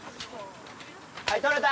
はい取れた！